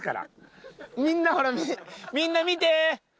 みんなほらみんな見て！